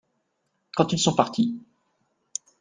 Quand ils sont partis.